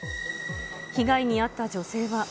被害に遭った女性は。